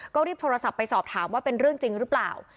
ก็รีบโทรศัพท์ไปสอบถามว่าเป็นเรื่องจริงหรือเปล่า